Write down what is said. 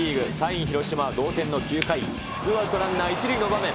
３位広島、同点の９回、ツーアウトランナー１塁の場面。